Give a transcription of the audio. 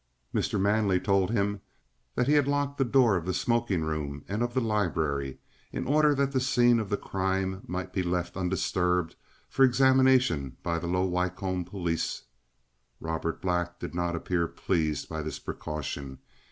Mr. Manley told him that he had locked the door of the smoking room and of the library, in order that the scene of the crime might be left undisturbed for examination by the Low Wycombe police. Robert Black did not appear pleased by this precaution.